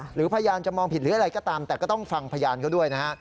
หรือพยานจะมองผิดหรืออะไรก็ตามแต่ก็ต้องฟังพยานเขาด้วยนะฮะ